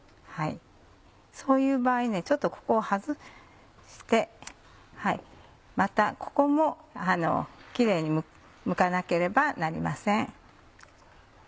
そういう場合ちょっとここを外してまたここもキレイにむかなければなりません。